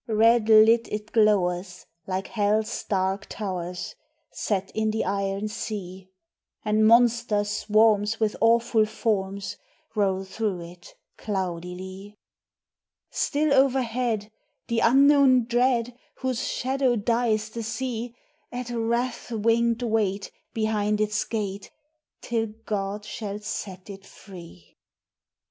Red lit it glowers like Hell's dark towers Set in the iron sea; And monster swarms with awful forms Roll though it cloudily. Still overhead the unknown dread, Whose shadow dyes the sea, At wrath winged wait behind its gate Till God shall set it free.